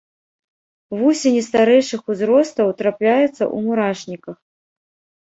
Вусені старэйшых узростаў трапляюцца ў мурашніках.